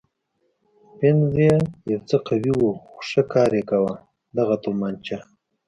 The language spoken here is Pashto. فنر یې یو څه قوي و خو ښه کار یې کاوه، دغه تومانچه.